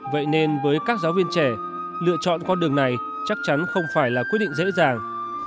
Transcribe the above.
vậy nên với các giáo viên trẻ lựa chọn con đường này chắc chắn không phải là quyết định dễ dàng